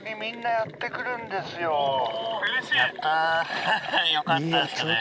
やったよかったですね。